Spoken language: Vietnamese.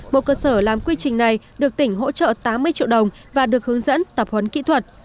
bộ cơ sở làm quy trình này được tỉnh hỗ trợ tám mươi triệu đồng và được hướng dẫn tập huấn kỹ thuật